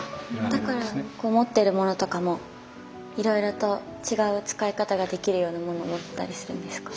だから持ってるものとかもいろいろと違う使い方ができるようなものを持ってたりするんですか？